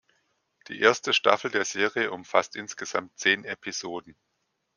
Die erste Staffel der Serie umfasst insgesamt zehn Episoden.